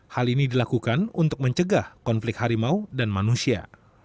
hal ini dilakukan untuk mencegah konflik harimau dan manusia